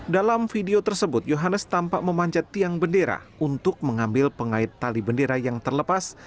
dalam video tersebut johannes tampak memanjat tiang bendera untuk mengambil pengait tali bendera yang terlepas